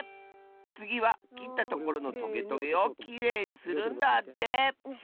つぎはきったところのトゲトゲをきれいにするんだって！